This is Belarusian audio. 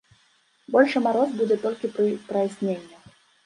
Большы мароз будзе толькі пры праясненнях.